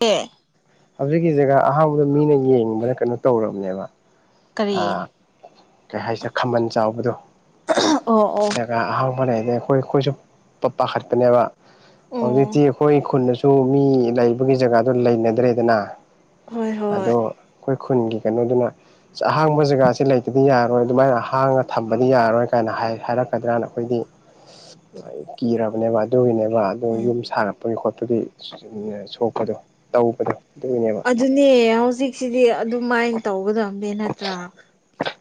ꯑꯦ ꯍꯧꯖꯤꯛꯀꯤ ꯖꯒꯥ ꯑꯍꯥꯡꯕꯗꯣ ꯃꯤꯅ ꯌꯦꯡꯕꯅ ꯀꯩꯅꯣ ꯇꯧꯔꯕꯅꯦꯕ ꯀꯔꯤ ꯑꯥ ꯀꯩ ꯍꯥꯏꯁꯤꯔꯥ ꯈꯝꯕꯟ ꯆꯥꯎꯕꯗꯣ ꯑꯣ ꯑꯣ ꯀꯥ ꯑꯍꯥꯡꯕ ꯂꯩꯔꯗꯤ ꯑꯩꯈꯣꯏ ꯑꯩꯈꯣꯏꯁꯨ ꯄꯥ ꯄꯥꯈꯠꯄꯅꯦꯕ ꯑꯣ ꯍꯧꯖꯤꯛꯇꯤ ꯑꯩꯈꯣꯏ ꯈꯨꯟꯗꯁꯨ ꯃꯤ ꯂꯩꯕꯒꯤ ꯖꯒꯥꯗꯣ ꯂꯩꯅꯗ꯭ꯔꯦꯗꯅ ꯍꯣꯏ ꯍꯣꯏ ꯑꯗꯣ ꯑꯩꯈꯣꯏ ꯈꯨꯟꯒꯤ ꯀꯩꯅꯣꯗꯨꯅ ꯑꯁ ꯑꯍꯥꯡꯕ ꯖꯒꯥꯁꯤ ꯂꯩꯇꯗꯤ ꯌꯥꯔꯣꯏ ꯑꯗꯨꯃꯥꯏꯅ ꯍꯥꯡꯉ ꯊꯝꯕꯗꯤ ꯌꯥꯔꯣꯏ ꯀꯥꯏꯅ ꯍꯥꯏ ꯍꯥꯏꯔꯛꯀꯗ꯭ꯔꯥꯅ ꯑꯩꯈꯣꯏꯗꯤ ꯀꯤꯔꯕꯅꯦꯕ ꯑꯗꯨꯒꯤꯅꯦꯕ ꯑꯗꯣ ꯌꯨꯝ ꯎꯝ ꯁꯥꯔꯛꯄꯒꯤ ꯈꯣꯠꯄꯒꯤ ꯁꯣꯛꯄꯗꯣ ꯇꯧꯕꯗꯣ ꯑꯗꯨꯒꯤꯅꯦꯕ ꯑꯗꯨꯅꯦ ꯍꯧꯖꯤꯛꯁꯤꯗꯤ ꯑꯗꯨꯃꯥꯏꯟ ꯇꯧꯒꯗꯝ ꯕꯦ ꯅꯠꯇ꯭ꯔꯥ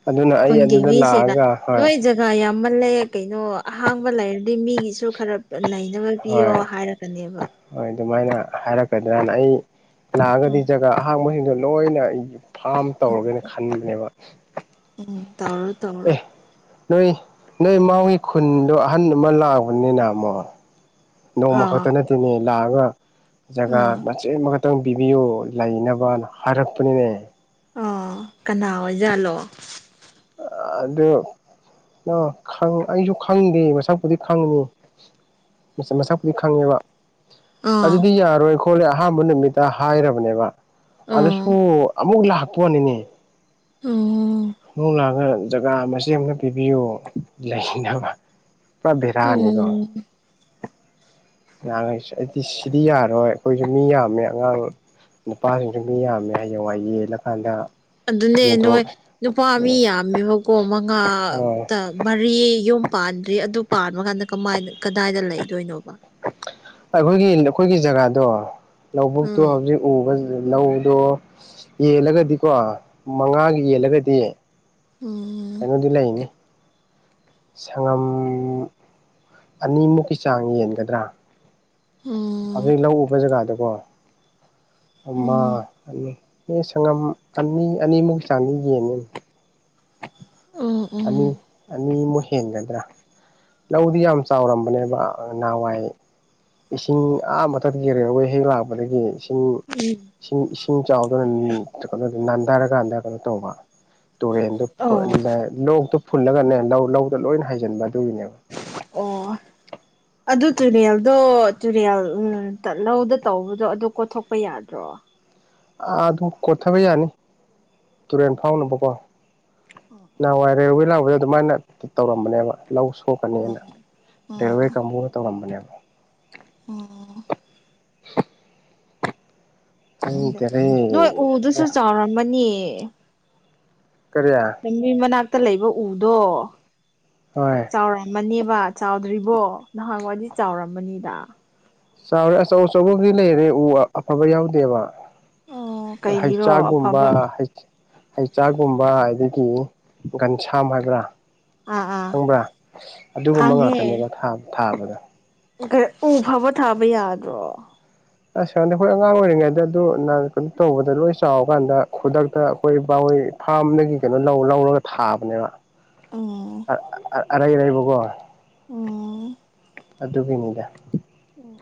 ꯑꯗꯨꯅ ꯑꯩ ꯈꯨꯟꯒꯤ ꯑꯗꯨꯗ ꯃꯤꯁꯤꯡꯅ ꯂꯥꯛꯑꯒ ꯍꯣꯏ ꯅꯣꯏꯖꯦ ꯀꯥ ꯌꯥꯝ ꯃꯜꯂꯦ ꯀꯩꯅꯣ ꯑꯍꯥꯡꯕ ꯂꯩꯔꯗꯤ ꯃꯤꯒꯤꯁꯨ ꯈꯔ ꯂꯩꯅꯕ ꯄꯤꯌꯣ ꯍꯣꯏ ꯍꯥꯏꯔꯒꯅꯦꯕ ꯍꯣꯏ ꯑꯗꯨꯃꯥꯏꯅ ꯍꯥꯏꯔꯛꯀꯗ꯭ꯔꯅ ꯑꯩ ꯂꯥꯛꯑꯒꯗꯤ ꯎꯝ ꯖꯒꯥ ꯑꯍꯥꯡꯕꯁꯤꯡꯗꯣ ꯂꯣꯏꯅ ꯐꯥꯝ ꯇꯧꯔꯒꯦꯅ ꯎꯝ ꯈꯟꯕꯅꯦꯕ ꯎꯝ ꯇꯧꯔꯣ ꯇꯧꯔꯣ ꯑꯦ ꯅꯣꯏ ꯅꯣꯏ ꯃꯥ ꯍꯣꯏ ꯈꯨꯟꯗꯣ ꯑꯍꯟ ꯑꯃ ꯂꯥꯛꯑꯕꯅꯤꯅ ꯑꯃꯣ ꯅꯣꯡꯃ ꯑꯥ ꯈꯛꯇ ꯅꯠꯇꯦꯅꯦ ꯂꯥꯛꯑꯒ ꯖꯒꯥ ꯑꯥ ꯃꯆꯦꯠ ꯑꯃꯒ ꯇꯪ ꯄꯤꯕꯤꯌꯨ ꯂꯩꯅꯕꯅ ꯍꯥꯏꯔꯛꯄꯅꯤꯅꯦ ꯑꯣ ꯀꯅꯥ ꯑꯣꯏꯖꯥꯠꯂꯣ ꯑꯗꯨ ꯗꯣ ꯈꯪ ꯑꯩꯁꯨ ꯈꯪꯗꯦ ꯃꯁꯛꯄꯨꯗꯤ ꯈꯪꯉꯤ ꯃꯁꯛ ꯃꯁꯛꯄꯨꯗꯤ ꯈꯪꯉꯦꯕ ꯑꯥ ꯑꯗꯨꯗꯤ ꯌꯥꯔꯣꯏ ꯈꯣꯠꯂꯦ ꯑꯍꯥꯟꯕ ꯅꯨꯃꯤꯠꯇ ꯍꯥꯏꯔꯕꯅꯦꯕ ꯑꯥ ꯑꯗꯨꯁꯨ ꯑꯃꯨꯛ ꯂꯥꯛꯄ ꯋꯥꯅꯤꯅꯦ ꯎꯝ ꯃꯨꯡ ꯂꯥꯛꯑꯒ ꯖꯒꯥ ꯃꯆꯦꯠ ꯑꯃꯇ ꯄꯤꯕꯤꯌꯨ ꯂꯩꯅꯕ ꯄꯨꯔꯥ ꯕꯦꯔꯥꯅꯤꯀꯣ ꯑꯣ ꯌꯥꯔꯣꯏ ꯁꯤ ꯑꯩꯗꯤ ꯁꯤꯗꯤ ꯌꯥꯔꯣꯏ ꯑꯩꯈꯣꯏꯁꯨ ꯃꯤ ꯌꯥꯝꯃꯦ ꯑꯉꯥꯡ ꯅꯨꯄꯥꯁꯤꯡꯁꯨ ꯃꯤ ꯌꯥꯝꯃꯦ ꯍꯌꯦꯡꯋꯥꯏ ꯌꯦꯜꯂꯀꯥꯟꯗ ꯑꯗꯨꯅꯦ ꯌꯦꯟꯊꯣꯛ ꯅꯣꯢ ꯅꯨꯄꯥ ꯃꯤ ꯌꯥꯝꯃꯦꯕꯀꯣ ꯃꯉꯥ ꯑꯣ ꯇ ꯃꯔꯤ ꯌꯨꯝ ꯄꯥꯟꯗ꯭ꯔꯤ ꯑꯗꯨ ꯄꯥꯟꯕ ꯀꯥꯟꯗ ꯀꯃꯥꯢꯗ ꯀꯗꯥꯢꯗ ꯂꯩꯗꯣꯢꯅꯣꯕ ꯑꯩꯈꯣꯢꯒꯤ ꯑꯩꯈꯣꯢꯒꯤ ꯖꯒꯥꯗꯣ ꯂꯧꯕꯨꯛꯇꯣ ꯎꯝ ꯍꯧꯖꯤꯛ ꯎꯕ ꯂꯧꯗꯣ ꯌꯦꯜꯂꯒꯗꯤꯀꯣ ꯃꯉꯥꯒꯤ ꯌꯦꯜꯂꯒꯗꯤ ꯎꯝ ꯀꯩꯅꯣꯗꯤ ꯂꯩꯅꯤ ꯁꯉꯝ ꯑꯅꯤꯃꯨꯛꯀꯤ ꯆꯥꯡ ꯌꯦꯟꯒꯗ꯭ꯔꯥ ꯎꯝ ꯍꯧꯖꯤꯛ ꯂꯧ ꯎꯕ ꯖꯒꯥꯗꯨꯀꯣ ꯑꯃ ꯎꯝ ꯑꯅꯤ ꯑꯦ ꯁꯪꯉꯝ ꯑꯅꯤ ꯑꯅꯤꯃꯨꯛ ꯆꯥꯡꯗꯤ ꯌꯦꯟꯅꯤ ꯎꯝ ꯎꯝ ꯑꯅꯤ ꯑꯅꯤꯃꯨꯛ ꯍꯦꯟꯒꯗ꯭ꯔꯥ ꯂꯧꯗꯤ ꯌꯥꯝ ꯆꯥꯎꯔꯝꯕꯅꯦꯕ ꯑꯥ ꯅꯍꯥꯟꯋꯥꯢ ꯏꯁꯤꯡ ꯑꯥ ꯑꯃꯊ ꯀꯦ ꯔꯦꯜꯋꯦ ꯍꯦꯛ ꯂꯥꯛꯄꯗꯒꯤ ꯏꯁꯤꯡ ꯎꯝ ꯏꯁꯤꯡ ꯏꯁꯤꯡ ꯆꯥꯎꯗꯅ ꯅꯥꯟꯗꯔꯀꯥꯟꯗ ꯀꯩꯅꯣ ꯇꯧꯕ ꯇꯨꯔꯦꯟꯗꯨ ꯑꯣ ꯐꯨꯜꯂ ꯂꯣꯛꯇꯣ ꯐꯨꯜꯂꯒꯅꯦ ꯂꯧ ꯂꯧꯗ ꯂꯣꯏꯅ ꯍꯥꯏꯖꯤꯟꯕ ꯑꯗꯨꯒꯤꯅꯦꯕ ꯑꯣ ꯑꯗꯨ ꯇꯨꯔꯦꯜꯗꯣ ꯇꯨꯔꯦꯜ ꯎꯝ ꯇꯠ ꯂꯧꯗ ꯇꯧꯕꯗꯣ ꯑꯗꯨ ꯀꯣꯊꯣꯛꯄ ꯌꯥ ꯑꯗ꯭ꯔꯣ ꯑꯗꯨꯝ ꯀꯣꯊꯕ ꯌꯥꯅꯤ ꯇꯨꯔꯦꯟ ꯐꯥꯎꯅꯕꯀꯣ ꯑꯣ ꯑꯣ ꯅꯍꯥꯟꯋꯥꯢ ꯔꯦꯜꯋꯦ ꯂꯥꯛꯄꯗ ꯑꯗꯨꯃꯥꯢꯅ ꯇꯧꯔꯝꯕꯅꯦꯕ ꯂꯧ ꯁꯣꯛꯀꯅꯤꯅ ꯔꯦꯜꯋꯦ ꯀꯥꯡꯕꯨꯅ ꯇꯧꯔꯝꯕꯅꯦꯕ ꯎꯝ ꯈꯪꯗꯦ ꯈꯪꯗꯔꯦ ꯅꯣꯢ ꯎꯗꯨꯁꯨ ꯆꯥꯎꯔꯝꯃꯅꯤ ꯀꯔꯤ ꯍꯩꯕꯤ ꯃꯅꯥꯛꯇ ꯂꯩꯕ ꯎꯗꯣ ꯍꯣꯢ ꯆꯥꯎꯔꯝꯃꯅꯤꯕ ꯆꯥꯎꯗ꯭ꯔꯤꯕꯣ ꯅꯍꯥꯟꯋꯥꯏꯗꯤ ꯆꯥꯎꯔꯝꯃꯅꯤꯗ ꯆꯥꯎꯔꯦ ꯑꯆꯧ ꯑꯆꯧꯕꯗꯤ ꯂꯩꯔꯦ ꯎ ꯋꯥ ꯑꯐꯕ ꯌꯥꯎꯗꯦꯕ ꯑꯣ ꯀꯩꯒꯤꯔꯣ ꯍꯩꯆꯥꯥꯛꯒꯨꯝꯕ ꯑꯐꯕ ꯍꯩ ꯍꯩꯆꯥꯛꯒꯨꯝꯕ ꯑꯗꯒꯤ ꯒꯟꯁꯥꯝ ꯍꯥꯢꯕ꯭ꯔꯥ ꯑꯥ ꯑꯥ ꯈꯪꯕ꯭ꯔꯥ ꯑꯗꯨꯒꯨꯝꯕ ꯉꯥꯛꯇꯅꯦꯕ ꯊꯥꯕ ꯊꯥꯕꯗꯣ ꯒ ꯎ ꯐꯥꯕ ꯊꯥꯕ ꯌꯥꯗ꯭ꯔꯣ ꯑꯁ ꯀꯥꯟꯗ ꯍꯣꯢ ꯑꯉꯥꯡ ꯑꯣꯏꯔꯤꯉꯩꯗ ꯑꯗꯨ ꯅꯔꯀꯟ ꯇꯧꯕꯗ ꯂꯣꯢ ꯆꯥꯎ ꯀꯥꯟꯗ ꯈꯨꯗꯛꯇ ꯑꯈꯣꯢ ꯕꯥꯍꯣꯢ ꯐꯥꯝꯗꯒꯤ ꯀꯩꯅꯣ ꯂꯧ ꯂꯧꯔꯒ ꯊꯥꯕꯅꯦꯕ ꯑꯣ ꯑ ꯑꯔꯩꯔꯩꯕꯀꯣ ꯎꯝ ꯑꯗꯨꯒꯤꯅꯤꯗ ꯎꯝ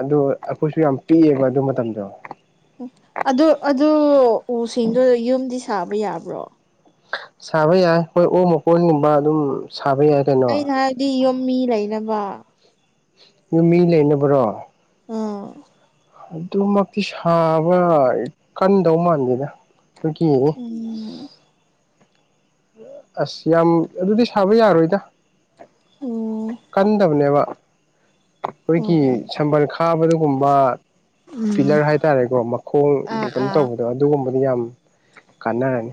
ꯑꯗꯨ ꯑꯈꯣꯢꯁꯨ ꯌꯥꯝ ꯄꯤꯏꯕ ꯑꯗꯨ ꯃꯇꯝꯗꯣ ꯎꯝ ꯑꯗꯨ ꯑꯗꯨ ꯎꯁꯤꯡꯗꯣ ꯌꯨꯝꯗꯤ ꯁꯥꯕ ꯌꯥꯕ꯭ꯔꯣ ꯁꯥꯕ ꯌꯥꯢ ꯈꯣꯢ ꯑꯣꯛ ꯃꯀꯣꯟꯒꯨꯝꯕ ꯑꯗꯨꯝ ꯁꯥꯕ ꯌꯥꯢ ꯑꯩꯅ ꯍꯥꯢꯕꯗꯤ ꯌꯨꯝ ꯃꯤ ꯂꯩꯅꯕ ꯌꯨꯝ ꯃꯤ ꯂꯩꯅꯕ꯭ꯔꯣ ꯑꯥ ꯑꯗꯨꯃꯛꯇꯤ ꯁꯥꯕ ꯀꯟꯗꯧ ꯃꯥꯟꯗꯦꯗ ꯑꯩꯈꯣꯏꯒꯤ ꯎꯝ ꯑꯁ ꯌꯥꯝ ꯑꯗꯨꯗꯤ ꯁꯥꯕ ꯌꯥꯔꯣꯏꯗ꯫ ꯑꯣ ꯀꯟꯗꯕꯅꯦꯕ ꯑꯣ ꯑꯩꯈꯣꯏꯒꯤ ꯑꯣ ꯁꯝꯕꯜ ꯈꯥꯕꯗꯒꯨꯝꯕ ꯎꯝ ꯄꯤꯂꯔ ꯍꯥꯏꯇꯥꯔꯦꯀꯣ ꯃꯈꯣꯡ ꯑꯥ ꯀꯩꯅꯣꯝ ꯑꯥ ꯇꯧꯕꯗꯣ ꯑꯗꯨꯒꯨꯝꯕꯗꯣ ꯃꯤ ꯌꯥꯝ ꯀꯥꯟꯅꯔꯅꯤ꯫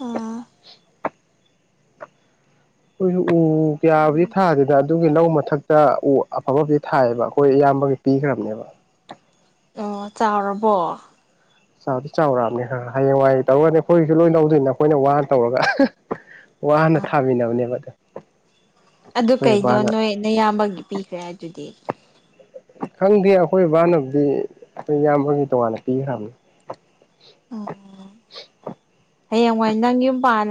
ꯑꯥ ꯑꯩꯈꯣꯏꯁꯨ ꯎ ꯀꯌꯥꯕꯨ ꯊꯥꯈꯔꯦ [unintelligible] ꯑꯗ ꯑꯗꯨꯒꯤ ꯂꯧ ꯃꯊꯛꯇ ꯎ ꯑꯐꯕꯨꯗꯤ ꯊꯥꯏꯑꯦꯕ ꯑꯩꯈꯣꯏ ꯏꯌꯥꯝꯕꯒꯤ ꯄꯤꯈ꯭ꯔꯕꯅꯦꯕ꯫ ꯑꯣ ꯆꯥꯎꯔꯕꯣ? ꯆꯥꯎꯗꯤ ꯆꯥꯎꯔꯛꯑꯕꯅꯦ ꯑ ꯍꯌꯦꯡꯋꯥꯏ ꯇꯧꯔꯗꯤ ꯑꯩꯈꯣꯏꯒꯤꯁꯨ ꯂꯣꯏ ꯂꯧꯗꯣꯏꯅꯦ ꯑꯩꯈꯣꯏꯅ ꯋꯥꯅ ꯇꯧꯔꯒ ꯋꯥꯅ ꯊꯥꯃꯤꯟꯅꯕꯅꯦꯕ ꯑꯗꯣ ꯑꯗꯨ ꯀꯩꯅꯣ ꯅꯣꯏꯅꯌꯥꯝꯕꯒꯤ ꯄꯤꯈ꯭ꯔꯦ ꯍꯥꯏꯗꯨꯗꯤ ꯈꯪꯗꯦ ꯑꯩꯈꯣꯏ ꯕꯥꯅꯕꯨꯗꯤ ꯑꯩꯈꯣꯏ ꯏꯌꯥꯝꯕꯒꯤ ꯇꯣꯉꯥꯟꯅ ꯄꯤꯈ꯭ꯔꯕꯅꯤ꯫ ꯎꯝ [inaudible] ꯍꯌꯦꯡꯋꯥꯏ ꯅꯪ ꯌꯨꯝ ꯄꯥꯜ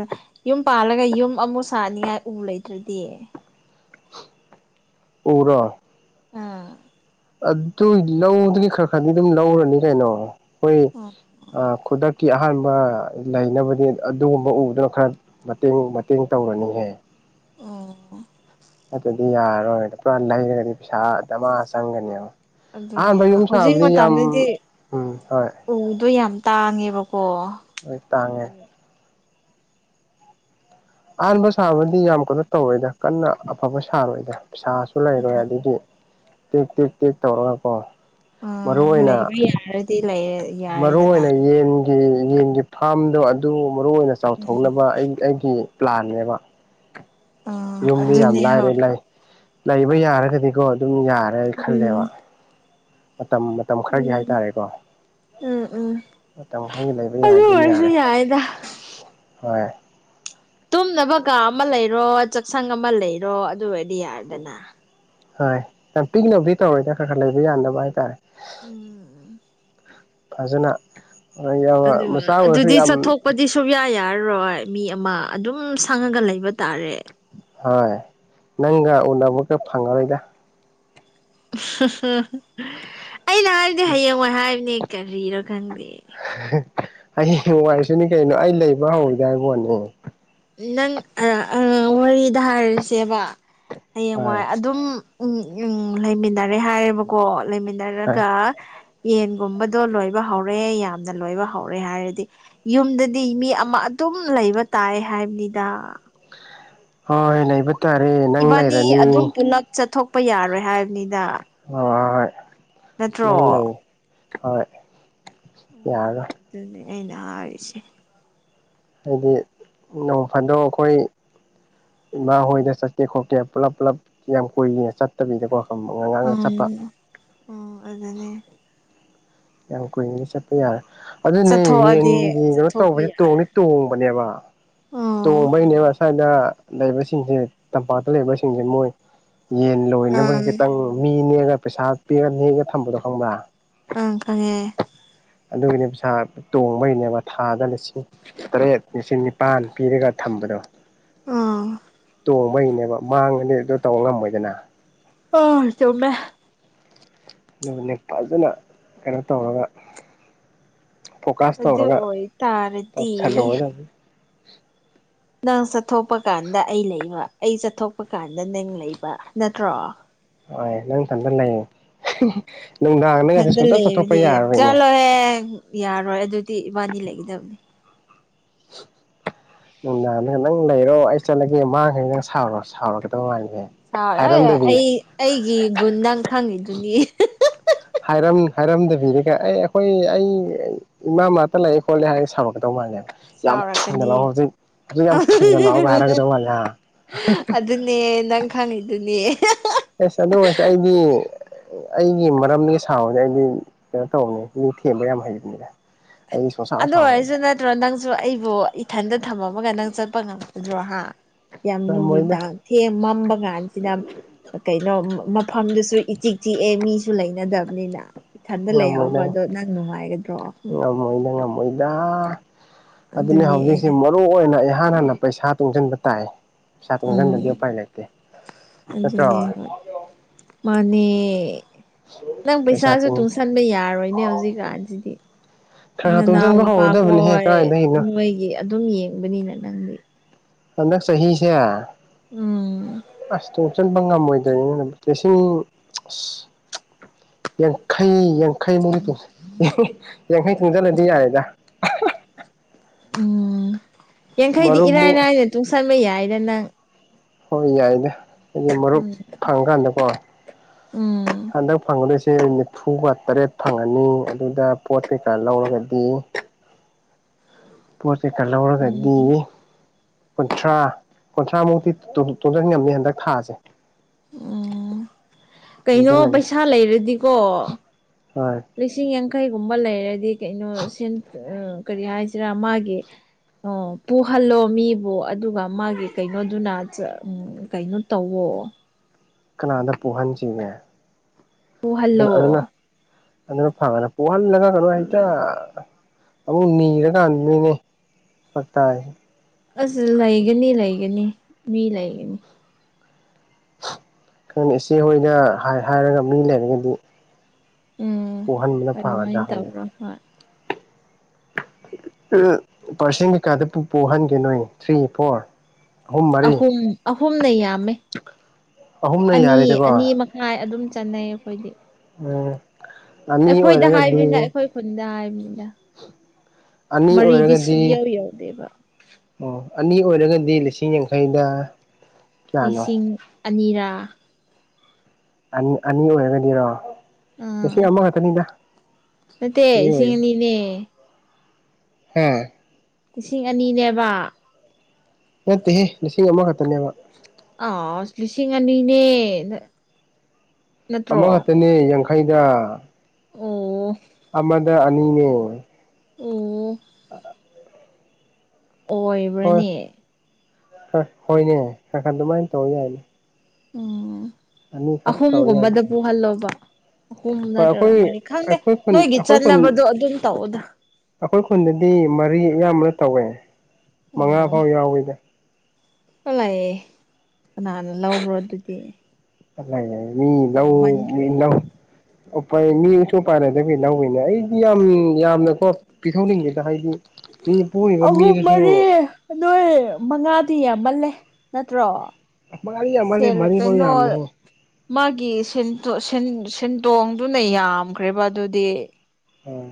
ꯌꯨꯝ ꯄꯥꯜꯂꯒ ꯌꯨꯝ ꯑꯃꯨꯛ ꯁꯥꯅꯤꯉꯥꯏ ꯎ ꯂꯩꯇ꯭ꯔꯗꯤ? ꯎꯔꯣ? ꯑꯥ ꯑꯗꯨ ꯂꯧꯗꯨꯗꯤ ꯈꯔ ꯈꯔꯗꯤ ꯑꯗꯨꯝ ꯂꯧꯔꯅꯤ ꯀꯩꯅꯣ? ꯑꯩꯈꯣꯏ ꯑꯣ ꯈꯨꯗꯛ ꯀꯤ ꯑꯍꯥꯟꯕ ꯂꯩꯅꯕꯅꯤ ꯑꯗꯨꯒꯨꯝꯕ ꯎꯗꯨꯅ ꯈꯔ ꯃꯇꯦꯡ ꯃꯇꯦꯡ ꯇꯧꯔꯅꯤꯌꯦ ꯑꯣ ꯅꯠꯇ꯭ꯔꯗꯤ ꯌꯥꯔꯔꯣꯏ ꯄꯨꯔꯥ ꯂꯩꯔꯒꯗꯤ ꯄꯩꯁꯥ ꯗꯥꯃꯥ ꯆꯪꯒꯅꯦꯕ꯫ ꯑꯍꯥꯟꯕ ꯑꯗꯨꯅꯦꯕ ꯌꯨꯝ ꯍꯧꯖꯤꯛ ꯁꯥꯕꯗꯤ ꯌꯥꯝ ꯃꯇꯝꯗꯗꯤ ꯎꯝ ꯍꯣꯏ ꯎꯗꯣ ꯌꯥꯝ ꯇꯥꯡꯉꯦꯕꯀꯣ ꯍꯣꯏ ꯇꯥꯡꯉꯦ ꯑꯗꯨꯒꯤ ꯑꯍꯥꯟꯕ ꯁꯥꯕꯗꯤ ꯌꯥꯝ ꯀꯟꯅꯣ ꯇꯧꯔꯣꯏꯗ ꯀꯟꯅ ꯑꯐꯕ ꯁꯥꯔꯣꯏꯗ ꯄꯩꯁꯥꯁꯨ ꯈꯨꯠꯂꯥꯏ [unintelligible] ꯇꯦꯛ ꯇꯦꯛ ꯇꯦꯛ ꯇꯧꯔꯒꯀꯣ ꯃꯔꯨ ꯎꯝ ꯑꯣꯏꯅ ꯂꯩꯕ ꯌꯥꯔꯗꯤ ꯂꯩꯔꯦ ꯃꯔꯨ ꯌꯥꯔꯦꯗꯅ ꯑꯣꯏꯅ ꯌꯦꯟ ꯌꯦ ꯌꯦꯟꯒꯤ ꯐꯥꯔꯝꯗꯣ ꯑꯗꯨ ꯃꯔꯨ ꯑꯣꯏꯅ ꯎꯝ ꯆꯥꯎꯊꯣꯛꯅꯕ ꯑꯩ ꯑꯩꯒꯤ ꯄ꯭ꯂꯥꯟꯅꯦꯕ ꯑꯥ ꯌꯨꯝꯗꯤ ꯌꯥꯝ ꯑꯗꯨꯅꯦ ꯂꯥꯏꯔꯦ ꯍꯣꯏ ꯂꯩ ꯂꯩꯕ ꯌꯥꯔꯒꯗꯤꯀꯣ ꯑꯗꯨꯝ ꯌꯥꯔꯦ ꯎꯝ ꯈꯜꯂꯦꯕ ꯃꯇꯝ ꯃꯇꯝ ꯈꯔꯗꯤ ꯎꯝ ꯍꯥꯏꯇꯥꯔꯦꯀꯣ ꯎꯝ ꯎꯝ ꯃꯇꯝ ꯈꯔꯒꯤ ꯂꯩꯕ ꯑꯗꯨ ꯌꯥꯔꯗꯤ ꯑꯗꯨꯝ ꯑꯣꯏꯔꯁꯨ ꯌꯥꯔꯦ ꯌꯥꯏꯗ ꯍꯣꯏ꯫ ꯇꯨꯝꯅꯕ ꯀꯥ ꯑꯃ ꯂꯩꯔꯣ ꯆꯥꯛꯁꯪ ꯑꯃ ꯂꯩꯔꯣ ꯑꯗꯨ ꯑꯣꯏꯔꯗꯤ ꯌꯥꯔꯦꯗꯅ꯫ ꯍꯣꯏ ꯌꯥꯝ ꯄꯤꯛꯅꯕꯨꯗꯤ ꯇꯧꯔꯣꯏꯗ ꯈꯔ ꯈꯔ ꯂꯩꯕ ꯌꯥꯅꯕ ꯍꯥꯏꯇꯥꯔꯦ ꯎꯝ ꯐꯖꯅ ꯈꯣꯏ ꯏꯌꯥꯝꯕ ꯃꯆꯥ ꯑꯣꯏꯔꯁꯨ ꯌꯥꯝ ꯁꯨꯛꯌꯥ ꯌꯥꯔꯔꯣꯏ ꯃꯤ ꯑꯃ ꯑꯗꯨꯝ ꯁꯪꯉꯒ ꯂꯩꯕ ꯇꯥꯔꯦ꯫ ꯍꯣꯏ ꯅꯪꯒ ꯎꯅꯕꯒ ꯐꯪꯉꯔꯣꯏꯗ꯫ ꯑꯩꯅ ꯍꯥꯏꯕꯗꯤ ꯍꯌꯦꯡꯋꯥꯏ ꯍꯥꯏꯕꯅꯦ ꯀꯔꯤꯔ ꯈꯪꯗꯦ꯫ ꯍꯌꯦꯡꯋꯥꯏꯁꯨꯅꯤ ꯀꯩꯅꯣ ꯑꯩ ꯂꯩꯕ ꯍꯧꯔꯒꯦ ꯍꯥꯏꯕ ꯋꯥꯅꯦ꯫ ꯅꯪ ꯑꯥ ꯋꯥꯔꯤꯗ ꯍꯥꯏꯔꯁꯦꯕ ꯍꯌꯦꯡꯋꯥꯏ ꯑꯗꯨꯝ ꯎꯝ ꯎꯝ ꯂꯩꯃꯤꯟꯅꯔꯦ ꯍꯥꯏꯔꯦꯕꯀꯣ ꯍꯣꯏ ꯂꯩꯃꯤꯟꯅꯔꯒ ꯌꯦꯟꯒꯨꯝꯕꯗꯣ ꯂꯣꯏꯕ ꯍꯧꯔꯦ ꯌꯥꯝꯅ ꯂꯣꯏꯕ ꯍꯧꯔꯦ ꯍꯥꯏꯔꯗꯤ ꯌꯨꯝꯗꯗꯤ ꯃꯤ ꯑꯃ ꯑꯗꯨꯝ ꯂꯩꯕ ꯇꯥꯏ ꯍꯥꯏꯕꯅꯤꯗ ꯍꯣꯏ ꯂꯩꯕ ꯇꯥꯔꯦ ꯅꯪ ꯏꯕꯥꯅꯤ ꯂꯩꯔꯅꯤ꯫ ꯑꯗꯨꯝ ꯄꯨꯂꯞ ꯆꯠꯊꯣꯛꯄ ꯌꯥꯔꯣꯏ ꯍꯥꯏꯕꯅꯤꯗ꯫ ꯍꯣ ꯍꯣ ꯍꯣꯏ ꯅꯪ ꯅꯠꯇ꯭ꯔꯣ ꯂꯩꯌꯨ ꯍꯣꯏ ꯌꯥꯔꯔꯣꯏ ꯗꯨꯅꯦ ꯑꯩꯅ ꯍꯥꯏꯔꯤꯁꯦ ꯍꯥꯏꯗꯤ ꯅꯣꯡꯐꯥꯗꯣꯛ ꯑꯩꯈꯣꯏ ꯏꯃꯥ ꯍꯣꯏꯗ ꯆꯠꯀꯦ ꯈꯣꯠꯀꯦ ꯄꯨꯂꯞ ꯄꯨꯂꯞ ꯌꯥꯝ ꯀꯨꯏꯅ ꯆꯠꯇꯕꯤꯗꯀꯣ ꯉꯥꯡꯅ ꯆꯠꯄ ꯎꯝ ꯎꯝ ꯑꯗꯨꯅꯦ ꯌꯥꯝ ꯀꯨꯏꯅꯗꯤ ꯆꯠꯄ ꯌꯥꯔꯦ ꯑꯗꯨꯅꯦ ꯆꯠꯊꯣꯛꯑꯗꯤ ꯌꯦꯟꯒꯤ ꯀꯩꯅꯣ ꯆꯠꯊꯣꯛꯄ ꯇꯧꯕꯖꯦ ꯌꯥꯔꯦ ꯇꯣꯡꯗꯤ ꯇꯣꯡꯕꯅꯦꯕ ꯑꯣ ꯎꯝ ꯇꯣꯡꯕꯩꯅꯦꯕꯁ ꯊꯥꯏꯅ ꯂꯩꯕꯁꯤꯡꯁꯦ ꯇꯝꯄꯥꯛꯇ ꯂꯩꯕꯁꯤꯡꯁꯦ ꯃꯣꯏ ꯌꯦꯟ ꯂꯣꯏꯅꯕꯒꯤ ꯑꯪ ꯈꯤꯇꯪ ꯃꯤ ꯅꯦꯛꯑꯒ ꯄꯩꯁꯥ ꯄꯤꯔ ꯅꯦꯛꯑ ꯊꯝꯕꯗꯣ ꯈꯪꯕ꯭ꯔꯥ ꯑꯪ ꯈꯪꯉꯦ ꯑꯗꯨꯒꯤꯅꯦ ꯄꯩꯁꯥ ꯇꯣꯡꯕꯒꯤꯅꯦꯕ ꯊꯥꯗ ꯂꯤꯁꯤꯡ ꯇꯔꯦꯠ ꯂꯤꯁꯤꯡ ꯅꯤꯄꯥꯟ ꯄꯤꯔꯒ ꯊꯝꯕꯗꯣ ꯑꯥ ꯇꯣꯡꯕꯩꯅꯦꯕ ꯃꯥꯡꯉꯗꯤ ꯑꯗꯨ ꯇꯧ ꯉꯝꯃꯣꯏꯗꯅ ꯑꯥ ꯆꯨꯝꯃꯦ ꯑꯗꯨꯒꯅꯦ ꯐꯖꯅ ꯀꯩꯅꯣ ꯇꯧꯔꯒ ꯐꯣꯀꯥꯁ ꯑꯗꯨ ꯇꯧꯔꯒ ꯑꯣꯏꯇꯥꯔꯗꯤ ꯇꯧꯁꯜꯂꯑꯣꯅ ꯅꯪ ꯆꯠꯊꯣꯛꯄ ꯀꯥꯟꯗ ꯑꯩ ꯂꯩꯕ ꯑꯩ ꯆꯠꯊꯣꯛꯄ ꯀꯥꯟꯗ ꯅꯪ ꯂꯩꯕ ꯅꯠꯇ꯭ꯔꯣ ꯋꯥꯏ ꯅꯪ ꯊꯟꯗ ꯂꯩꯌꯦ ꯏꯊꯟꯇ ꯂꯩꯔꯗꯤ ꯌꯥꯔꯔꯣꯏꯅꯦ ꯆꯠꯂꯣꯍꯦ ꯌꯥꯔꯣꯏ ꯑꯗꯨꯗꯤ ꯏꯕꯥꯅꯤ ꯂꯩꯒꯗꯝꯅꯦ [inaudible] ꯅꯨꯡꯗꯥꯡꯗꯒ ꯅꯪ ꯂꯩꯔꯣ ꯑꯩ ꯆꯠꯂꯒꯦ ꯃꯥꯡꯍꯩ ꯅꯪ ꯁꯥꯎꯔꯣ ꯁꯥꯎꯔꯒꯗꯧ ꯃꯥꯂꯤꯍꯦ ꯁꯥꯎꯑꯦ ꯑꯩ ꯑꯩꯒꯤ ꯒꯨꯟ ꯅꯪ ꯈꯪꯉꯤꯗꯨꯅꯤ ꯍꯥꯏꯔꯝ ꯍꯥꯏꯔꯝꯗꯕꯤꯗꯒ ꯑꯩ ꯑꯩꯈꯣꯏ ꯑꯩ ꯏꯃꯥ ꯃ꯭ꯥꯔꯠꯇ ꯂꯩꯌꯦ ꯈꯣꯠꯂꯦ ꯍꯥꯏꯔ ꯁꯥꯎꯔꯛꯀꯗꯧ ꯃꯥꯜꯂꯦ ꯌꯥꯝ ꯊꯨꯅ ꯁꯥꯎꯔꯛꯀꯅꯤ ꯂꯥꯛꯑꯣ ꯍꯧꯖꯤꯛ ꯍꯧꯖꯤꯛ ꯌꯥꯝ ꯊꯨꯅ ꯂꯥꯛꯑꯣꯒ ꯍꯥꯏꯔꯛꯒꯗꯧ ꯃꯥꯜꯂꯦꯍꯥ ꯑꯗꯨꯅꯦ ꯅꯪ ꯈꯪꯉꯤꯗꯨꯅꯦ ꯑꯦꯁ ꯑꯗꯨꯑꯣꯏꯔꯁꯨ ꯑꯩꯗꯤ ꯑꯩꯒꯤ ꯃꯔꯝꯗꯒꯤ ꯁꯥꯎꯕꯖꯦ ꯑꯩꯗꯤ ꯀꯩꯅꯣ ꯇꯧꯝꯅꯦ ꯃꯤ ꯊꯦꯝꯕ ꯌꯥꯝ ꯍꯩꯕꯅꯦ ꯑꯗꯨ ꯑꯣꯏꯔꯁꯨ ꯅꯠꯇ꯭ꯔꯣ ꯅꯪꯁꯨ ꯑꯩꯕꯨ ꯏꯊꯟꯗ ꯊꯝꯃꯝꯃꯒ ꯅꯪ ꯆꯠꯄ ꯉꯝꯒꯗ꯭ꯔꯣ ꯍꯥ ꯌꯥꯝ ꯉꯝꯃꯣꯏꯗ ꯅꯨꯃꯤꯗꯥꯡ ꯊꯦꯝ ꯃꯝꯕ ꯀꯥꯟꯁꯤꯗ ꯑꯥ ꯀꯩꯅꯣ ꯃꯥ ꯃꯐꯝꯗꯨꯁꯨ ꯏꯆꯤꯛ ꯆꯤꯛꯑꯦ ꯃꯤꯁꯨ ꯂꯩꯅꯗꯝꯅꯤꯅ ꯏꯊꯟꯗ ꯂꯩꯍꯧꯕꯗꯣ ꯅꯪ ꯅꯨꯡꯉꯥꯏꯒꯗ꯭ꯔꯣ ꯍꯨꯝ ꯃꯣꯏꯅ ꯉꯝꯃꯣꯏꯗꯥ ꯑꯗꯨꯅꯦ ꯍꯧꯖꯤꯛꯁꯦ ꯃꯣꯠ ꯔꯨ ꯑꯣꯏꯅ ꯏꯍꯥꯟ ꯍꯥꯟꯅ ꯄꯩꯁꯥ ꯇꯨꯡꯖꯟꯕ ꯇꯥꯏ ꯄꯩꯁꯥ ꯎꯝ ꯇꯨꯡꯖꯟꯗꯗꯤ ꯎꯄꯥꯏ ꯂꯩꯇꯦ ꯅꯠꯇ꯭ꯔꯣ ꯑꯗꯨꯅꯦ ꯍꯣꯏ ꯃꯥꯅꯦ ꯅꯪ ꯄꯩꯁꯥ ꯄꯩꯁꯥꯁꯨ ꯇꯨꯡ ꯇꯨꯡꯁꯟꯕ ꯌꯥꯔꯣꯏꯅꯦ ꯍꯧꯖꯤꯛꯀꯥꯟꯁꯤꯗꯤ ꯈꯔ ꯈꯔ ꯇꯨꯡꯁꯤꯟꯕ ꯍꯧꯔꯗꯕꯅꯤꯍꯦ ꯅꯅꯥꯎꯅꯨꯄꯥꯈꯣꯏ ꯀꯥꯏꯗꯒꯤꯅꯣ ꯅꯣꯏꯒꯤ ꯑꯗꯨꯝ ꯌꯦꯡꯕꯅꯤꯅ ꯅꯪꯗꯤ ꯍꯟꯗꯛ ꯆꯍꯤꯁꯦ ꯎꯝ ꯑꯁ ꯇꯨ ꯆꯟꯕ ꯉꯝꯃꯣꯏꯗꯣꯏꯅꯤꯅ ꯂꯤꯁꯤꯡ ꯑꯁ ꯌꯥꯡꯈꯩ ꯌꯥꯡꯈꯩꯃꯨꯛꯅꯦ ꯌꯥꯡꯈꯩ ꯇꯨꯡꯖꯜꯂꯗꯤ ꯌꯥꯔꯦꯗ ꯎꯝ ꯌꯥꯡꯈꯩꯗꯤ ꯏꯔꯥꯏ ꯃꯔꯨꯞꯃꯨꯛ ꯂꯥꯏꯅ ꯇꯨꯡꯁꯟꯕ ꯌꯥꯏꯗ ꯅꯪ ꯍꯣꯏ ꯌꯥꯏꯗ ꯍꯥꯏꯗꯤ ꯃꯔꯨꯞ ꯎꯝ ꯐꯪꯀꯥꯟꯗꯀꯣ ꯎꯝ ꯍꯟꯗꯡ ꯐꯪꯒꯗꯣꯏꯁꯦ ꯐꯨꯒ ꯇꯔꯦꯠ ꯐꯪꯉꯅꯤ ꯑꯗꯨꯗ ꯄꯣꯠ ꯀꯩꯀꯥ ꯂꯧꯔꯒꯗꯤ ꯄꯣ ꯆꯩꯀ ꯂꯧꯔꯒꯗꯤ ꯎꯝ ꯀꯨꯟꯊ꯭ꯔꯥ ꯀꯨꯟꯊ꯭ꯔꯥ ꯃꯨꯛꯇꯤ ꯇꯨ ꯇꯨꯡꯖꯟ ꯉꯝꯅꯤ ꯍꯟꯗꯛ ꯊꯥꯖꯦ ꯎꯝ ꯀꯩꯅꯣ ꯇꯨꯡꯁꯤꯜꯂꯒꯦ ꯄꯩꯁꯥ ꯂꯩꯔꯗꯤꯀꯣ ꯍꯣꯏ ꯂꯤꯁꯤꯡ ꯌꯥꯡꯈꯩꯒꯨꯝꯕ ꯂꯩꯔꯗꯤ ꯀꯩꯅꯣ ꯁꯤꯟ ꯑꯥ ꯀꯔꯤ ꯍꯥꯏꯁꯤꯔꯥ ꯃꯥꯒꯤ ꯑꯣ ꯄꯨꯍꯜꯂꯣ ꯃꯤꯕꯨ ꯑꯗꯨꯒ ꯃꯥꯒꯤ ꯀꯩꯅꯣꯗꯨꯅ ꯆ ꯀꯩꯅꯣ ꯇꯧꯋꯣ ꯀꯅꯥꯗ ꯄꯨꯍꯟꯁꯤꯒꯦ ꯎꯟ ꯑꯔꯨꯅꯥ ꯄꯨꯍꯜꯂꯣ ꯑꯗꯨꯅ ꯐꯒꯗ꯭ꯔꯥ ꯄꯨꯍꯜꯂꯒ ꯒꯩꯅꯣ ꯍꯩꯇ ꯑꯃꯨꯛ ꯅꯤꯔꯀꯥꯟꯗꯅꯤꯅꯦ ꯐꯔꯛ ꯇꯥꯔꯤꯁꯦ ꯑꯁ ꯂꯩꯒꯅꯤ ꯂꯩꯒꯅꯤ ꯃꯤ ꯂꯩꯒꯅꯤ ꯈꯪꯗꯦ ꯏꯆꯦ ꯍꯣꯏꯅ ꯍꯥꯢ ꯍꯥꯏꯔꯒ ꯃꯤ ꯂꯩꯔꯒꯗꯤ ꯎꯝ ꯄꯨꯍꯟꯕꯅ ꯐꯒꯗ꯭ꯔꯥ ꯑꯗꯨꯃꯥꯏꯟ ꯈꯪꯗꯦ ꯇꯧꯔꯣ ꯍꯣꯏ ꯎ ꯄꯥꯔꯁꯦꯟ ꯀꯩꯀꯥꯗ ꯄꯨ ꯄꯨꯍꯟꯒꯦ ꯅꯣꯏ ꯊ꯭ꯔꯤ ꯐꯣꯔ ꯑꯍꯨꯝ ꯑꯍꯨꯝꯅ ꯌꯥꯝꯃꯦ ꯑꯍꯨꯝꯅ ꯑꯅꯤ ꯌꯥꯔꯦꯗꯀꯣ ꯑꯅꯤ ꯃꯈ ꯍꯥꯏ ꯑꯗꯨꯝ ꯆꯠꯅꯩ ꯑꯩꯈꯣꯏꯗꯤ ꯎꯝ ꯑꯅꯤ ꯑꯩꯈꯣꯏꯗ ꯍꯥꯏꯕꯅꯤꯅ ꯑꯣꯏꯔꯒꯗꯤ ꯑꯩꯈꯣꯏ ꯈꯨꯟꯗ ꯍꯥꯏꯕꯅꯤꯗ ꯑꯅꯤ ꯃꯔꯤꯗꯤ ꯑꯣꯏꯔꯒꯗꯤ ꯁꯨꯡꯌꯧ ꯌꯧꯗꯦꯕ ꯑꯣ ꯑꯅꯤ ꯑꯣꯏꯔꯒꯗꯤ ꯂꯤꯁꯤꯡ ꯌꯥꯡꯈꯩꯗ ꯀꯌꯥꯅꯣ ꯂꯤꯁꯤꯡ ꯑꯅꯤꯔꯥ ꯑꯅꯤ ꯑꯅꯤ ꯑꯣꯏꯔꯒꯗꯤꯔꯣ ꯑꯥ ꯂꯤꯁꯤꯡ ꯑꯃꯈꯛꯇꯅꯤꯗ ꯅꯠꯇꯦ ꯑꯅꯤ ꯂꯤꯁꯤꯡ ꯑꯣꯏꯔꯗꯤ ꯑꯅꯤꯅꯦ ꯍꯥ ꯂꯤꯁꯤꯡ ꯑꯅꯤꯅꯦꯕ ꯅꯠꯇꯦꯍꯦ ꯂꯤꯁꯤꯡ ꯑꯃꯈꯛꯇꯅꯦꯕ ꯑꯥꯁ ꯂꯤꯁꯤꯡ ꯑꯅꯤꯅꯦ ꯑꯃ ꯅꯠꯇ꯭ꯔꯣ ꯈꯛꯇꯅꯦ ꯌꯥꯡꯈꯩꯗ ꯑꯣ ꯑꯃꯗ ꯑꯅꯤꯅꯦ ꯎꯝ ꯑꯣꯏ ꯍꯣꯏ ꯍꯥ ꯍꯣꯏꯅꯦ ꯈꯔ ꯈꯔ ꯑꯗꯨꯃꯥꯏꯟ ꯇꯧ ꯌꯥꯏꯅꯦ ꯎꯝ ꯑꯅꯤꯈꯛ ꯇꯧ ꯌꯥꯏ ꯑꯍꯨꯝꯒꯨꯝꯕꯗ ꯄꯨꯍꯜꯂꯣꯕ ꯑꯍꯨꯝ ꯍꯣꯏ ꯅꯠꯇ꯭ꯔꯒ ꯑꯩꯈꯣꯏ ꯃꯔꯤ ꯈꯪꯗꯦ ꯑꯩꯈꯣꯏ ꯈꯨꯟ ꯅꯣꯏꯒꯤ ꯆꯠꯅꯕꯗꯣ ꯑꯗꯨꯝ ꯇꯧꯑꯣꯗ ꯑꯈꯣꯏ ꯈꯨꯟꯗꯗꯤ ꯃꯔꯤ ꯑꯌꯥꯝꯕꯅ ꯇꯧꯋꯦ ꯃꯉꯥ ꯐꯥꯎ ꯌꯥꯎꯋꯤꯗ ꯑꯣꯂꯩ ꯀꯅꯥꯅ ꯂꯧꯕ꯭ꯔꯣ ꯑꯗꯨꯗꯤ ꯆꯠꯂꯍꯦ ꯃꯤ ꯂꯧ ꯃꯤ ꯌꯥꯝꯃꯟꯈ꯭ꯔꯦ ꯂꯧ ꯑꯣ ꯐꯥꯏ ꯃꯤꯁꯨ ꯐꯥꯄꯥꯢ ꯂꯩꯇꯕꯒꯤ ꯂꯧꯋꯤꯅꯦ ꯑꯩꯗꯤ ꯌꯥꯝ ꯌꯥꯝꯅꯀꯣ ꯄꯤꯊꯣꯛꯅꯤꯡꯗꯦꯗ ꯍꯥꯏꯗꯤ ꯃꯤ ꯄꯨꯔꯤꯕ ꯑꯍꯨꯝ ꯃꯤꯗꯨꯁꯨ ꯃꯔꯤ ꯅꯣꯏ ꯃꯉꯥꯗꯤ ꯌꯥꯝꯃꯜꯂꯦ ꯅꯠꯇ꯭ꯔꯣ ꯃꯉꯥꯗꯤ ꯌꯥꯝꯃꯜꯂꯧ ꯁꯦꯜ ꯃꯔꯤꯐꯤꯎ ꯀꯩꯅꯣ ꯌꯥꯝꯃꯦꯍꯦ ꯃꯥꯒꯤ ꯁꯤꯟꯇꯣ ꯁꯤꯟ ꯁꯦꯟꯗꯣꯡꯗꯨꯅ ꯌꯥꯝꯈ꯭ꯔꯦꯕ ꯑꯗꯨꯗꯤ ꯑꯣ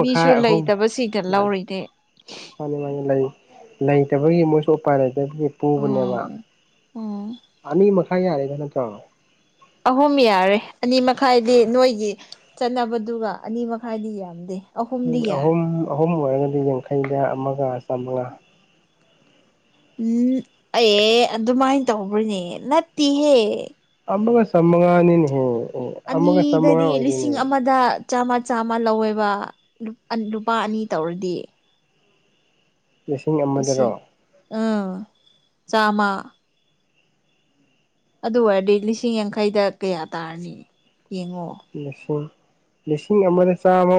ꯃꯤꯁꯨ ꯂꯩꯇꯕ ꯁꯤꯗ ꯌꯥꯔꯦ ꯂꯧꯔꯤꯅꯦ ꯃꯥꯅꯤ ꯃꯥꯥꯅꯤ ꯂꯩ ꯂꯩꯇꯕꯒꯤ ꯃꯣꯏꯁꯨ ꯎꯄꯥꯏ ꯂꯩꯇꯕꯒꯤ ꯄꯨꯕꯅꯦꯕ ꯎꯝ ꯎꯝ ꯑꯅꯤ ꯃꯈꯥꯏ ꯌꯥꯔꯦꯗ ꯅꯠꯇ꯭ꯔꯣ ꯑꯍꯨꯝ ꯌꯥꯔꯦ ꯑꯅꯤ ꯃꯈꯥꯏꯗꯤ ꯅꯣꯏꯒꯤ ꯆꯠꯅꯕꯗꯨꯒ ꯑꯅꯤ ꯃꯈꯥꯏꯗꯤ ꯌꯥꯝꯗꯦ ꯎꯝ ꯑꯍꯨꯝꯗꯤ ꯌꯥꯔꯦ ꯑꯍꯨꯝ ꯑꯍꯨꯝ ꯑꯣꯏꯔꯒꯗꯤ ꯌꯥꯡꯈꯩꯗ ꯑꯃꯒ ꯆꯥꯝꯃꯉꯥ ꯎꯝ ꯑꯦ ꯑꯗꯨꯃꯥꯏꯟ ꯇꯧꯕ꯭ꯔꯅꯦ ꯅꯠꯇꯤꯍꯦ ꯑꯃꯒ ꯆꯝꯃꯉꯥꯅꯤꯅꯦ ꯍꯦ ꯑꯅꯤꯗꯗꯤ ꯂꯤꯁꯤꯡ ꯑꯃꯗ ꯆꯥꯝꯃ ꯆꯥꯝꯃ ꯂꯧꯋꯦꯕ ꯂꯨ ꯂꯨꯄꯥ ꯑꯅꯤ ꯇꯧꯔꯗꯤ ꯂꯤꯁꯤꯡ ꯑꯃꯗꯔꯣ ꯎꯝ ꯆꯥꯝꯃꯥ ꯑꯗꯨ ꯑꯣꯏꯔꯗꯤ ꯂꯤꯁꯤꯡ ꯌꯥꯡꯈꯩꯗ ꯀꯌꯥ ꯇꯥꯔꯅꯤ ꯌꯦꯡꯉꯣ ꯂꯤꯁꯤꯡ ꯂꯤꯁꯤꯡ ꯑꯃꯗ ꯆꯥꯝꯃ